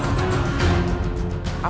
aku ingin kesembuhanmu